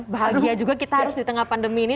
bahagia juga kita harus di tengah pandemi ini